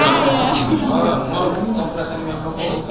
orang mau kompresennya pokoknya